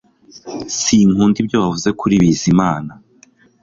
Sinkunda ibyo wavuze kuri Bizimana